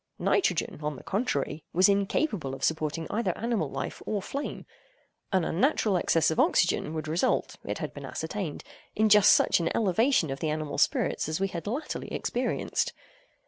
Nitrogen, on the contrary, was incapable of supporting either animal life or flame. An unnatural excess of oxygen would result, it had been ascertained in just such an elevation of the animal spirits as we had latterly experienced.